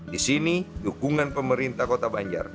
di sini dukungan pemerintah kota banjar